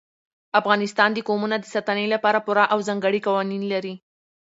افغانستان د قومونه د ساتنې لپاره پوره او ځانګړي قوانین لري.